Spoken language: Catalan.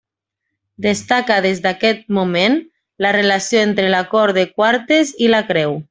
Destaca des d'aquest moment la relació entre l'acord de quartes i la creu.